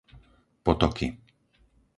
Potoky